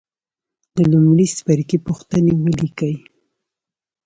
د لومړي څپرکي پوښتنې ولیکئ.